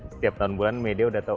setiap tahun bulan media udah tahu